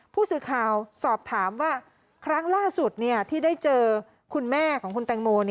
ผู้สื่อข่าวสอบถามว่าครั้งล่าสุดที่ได้เจอคุณแม่ของคุณแตงโม